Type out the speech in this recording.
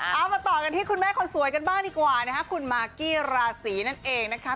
เอามาต่อกันที่คุณแม่คนสวยกันบ้างดีกว่านะคะคุณมากกี้ราศีนั่นเองนะคะ